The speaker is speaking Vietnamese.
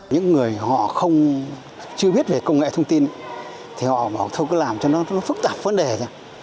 những người họ không chưa biết về công nghệ thông tin thì họ cứ làm cho nó phức tạp vấn đề thôi